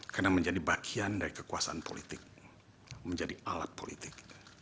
karena menjadi bagian dari kekuasaan politik menjadi alat politik